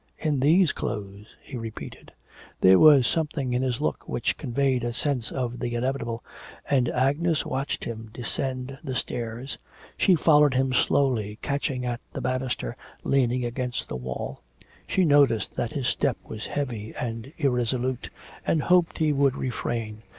In these clothes,' he repeated. There was something in his look which conveyed a sense of the inevitable, and Agnes watched him descend the stairs. She followed slowly, catching at the banisters leaning against the wall. She noticed that his step was heavy and irresolute and hoped he would refrain.